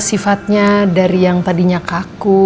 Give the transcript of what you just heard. sifatnya dari yang tadinya kaku